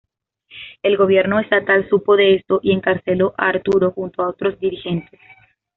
El gobierno estatal supo de esto, y, encarceló a Arturo junto a otros dirigentes.